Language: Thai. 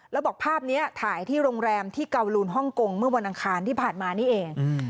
แล้วบอกภาพนี้ถ่ายที่โรงแรมที่เกาลูนฮ่องกงเมื่อวันอังคารที่ผ่านมานี่เอง